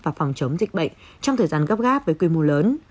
và phòng chống dịch bệnh trong thời gian gấp gáp với quy mô lớn